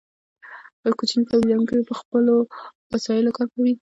کوچني تولیدونکي په خپلو وسایلو کار کوي.